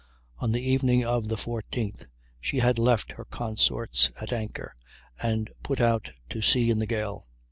On the evening of the 14th she had left her consorts at anchor, and put out to sea in the gale.